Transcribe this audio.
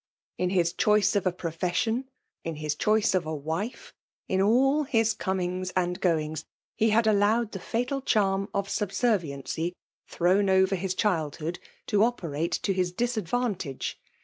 In his choice of a pre* fes«ion> in his choice of a wife, in all his comings and gomgs, he had allowed the fatal charm of subserviency thrown over his diild hood, to operate to his disadvantage.